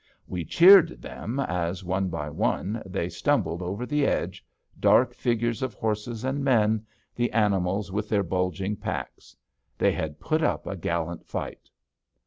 We cheered them, as, one by one, they stumbled over the edge, dark figures of horses and men, the animals with their bulging packs. They had put up a gallant fight.